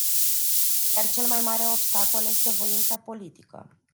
Iar cel mai mare obstacol este voința politică.